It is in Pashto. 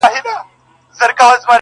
هغه له پاڼو تشه توره ونه!.